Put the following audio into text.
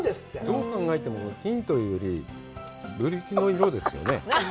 どう考えても金というよりブリキの色ですよね。